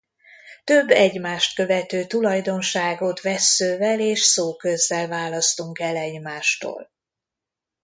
Több egymást követő tulajdonságot vesszővel és szóközzel választunk el egymástól.